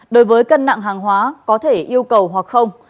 đối với cân nặng hàng hóa có thể yêu cầu hoặc không